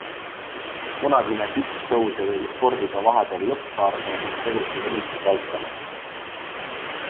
Kunagine tippsõudja tegi spordiga vahepeal lõpparve ning tegutses ehitusvaldkonnas.